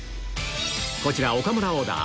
こちら岡村オーダー